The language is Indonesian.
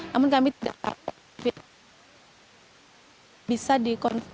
namun kami tidak tahu